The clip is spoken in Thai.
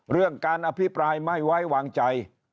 เรื่องการอภิปรายไม่ไว้วางใจ